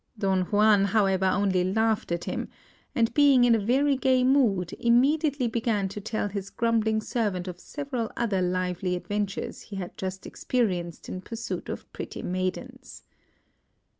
Don Juan, however, only laughed at him, and being in a very gay mood, immediately began to tell his grumbling servant of several other lively adventures he had just experienced in pursuit of pretty maidens.